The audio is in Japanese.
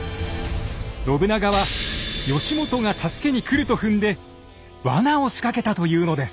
信長は義元が助けに来ると踏んでワナを仕掛けたというのです。